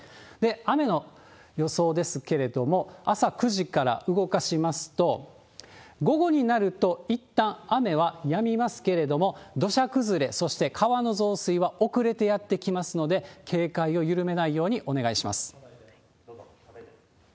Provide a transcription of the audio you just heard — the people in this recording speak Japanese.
雨の予想ですけれども、朝９時から動かしますと、午後になると、いったん雨はやみますけれども、土砂崩れ、そして川の増水は遅れてやって来ますので、警戒を緩めないようにお願いします。